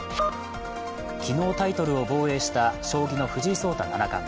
昨日、タイトルを防衛した将棋の藤井聡太七冠。